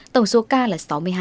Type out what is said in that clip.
tổng số ca là sáu mươi hai